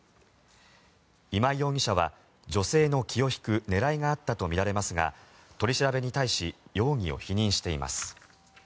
今井容疑者は、女性の気を引く狙いがあったとみられますが取り調べに対し容疑を否認しています。